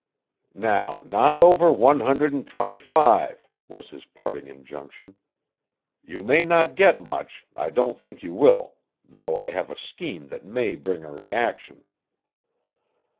"Now, not over one hundred and twenty five," was his parting injunction. "You may not get much I don't think you will though I have a scheme that may bring a reaction."